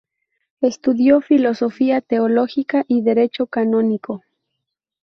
Estudió filosofía, teología y derecho canónico.